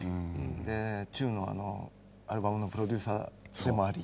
で忠のアルバムのプロデューサーでもあり。